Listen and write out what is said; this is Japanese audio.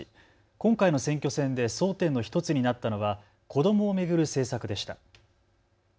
今回の選挙戦で争点の１つになったのは子どもを巡る政策でした。